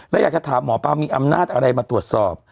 แล้วอยากจะถามหมอปลามีอำนาจอะไรมาตรวจสอบ